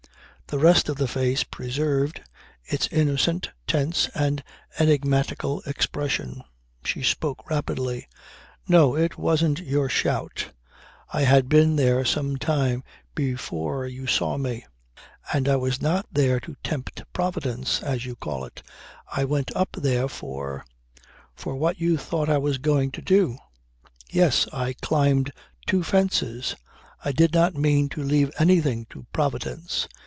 The rest of the face preserved its innocent, tense and enigmatical expression. She spoke rapidly. "No, it wasn't your shout. I had been there some time before you saw me. And I was not there to tempt Providence, as you call it. I went up there for for what you thought I was going to do. Yes. I climbed two fences. I did not mean to leave anything to Providence.